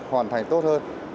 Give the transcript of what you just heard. hoàn thành tốt hơn